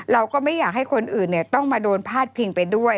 เราก็ไม่อยากให้คนอื่นต้องมาโดนพาดพิงไปด้วย